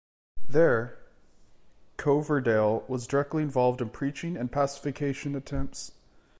There, Coverdale was directly involved in preaching and pacification attempts.